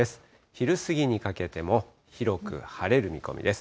昼過ぎにかけても広く晴れる見込みです。